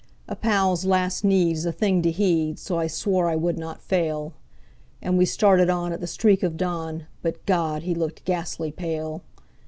A pal's last need is a thing to heed, so I swore I would not fail; And we started on at the streak of dawn; but God! he looked ghastly pale.